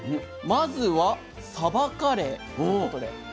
まずはサバカレー。